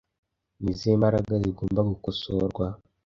Ni izihe mbaraga zigomba gukosorwa